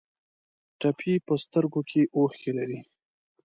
ټپي په سترګو کې اوښکې لري.